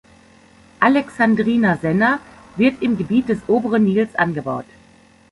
Alexandriner-Senna wird im Gebiet des oberen Nils angebaut.